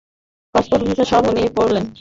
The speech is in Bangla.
পাসপোর্ট ভিসা সব উনি করলেন।